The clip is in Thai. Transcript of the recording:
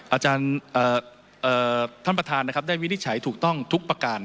อาจารย์ท่านประธานได้วินิจฉัยถูกต้องทุกประการ